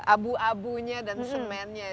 abu abunya dan semennya